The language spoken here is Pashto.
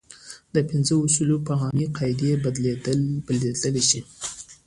دا پنځه اصول په عامې قاعدې بدلېدلی شي.